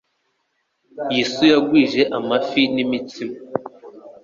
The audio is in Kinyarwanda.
Yesu yagwije amafi n'imitsima